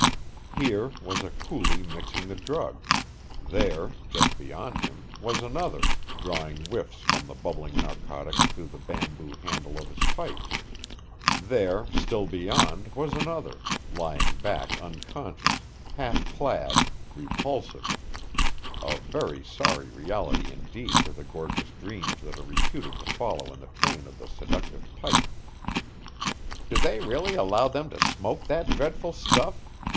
Here, was a coolie mixing the drug; there, just beyond him, was another, drawing whiffs from the bubbling narcotic through the bamboo handle of his pipe; there, still beyond, was another, lying back unconscious, half clad, repulsive, a very sorry reality indeed to the gorgeous dreams that are reputed to follow in the train of the seductive pipe. "Do they really allow them to smoke that dreadful stuff?"